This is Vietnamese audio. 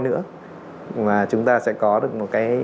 cũng giống như là chúng ta sẽ không bị thầy bói xâm hội